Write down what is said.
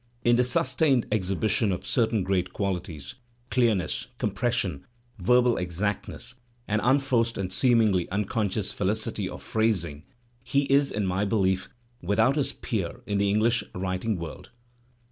In the sustained exhibition of certain great qualities — deamess, compression, verbal exactness, and unforced and seemingly unconscious felidty of phrasing — he is, in my belief, without his peer in the English writing world.